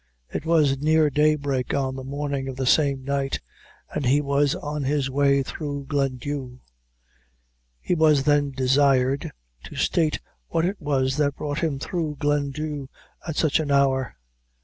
It was near daybreak on the morning of the same night, and he was on his way through Glendhu. He was then desired to state what it was that brought him through Glendhu at such an hour.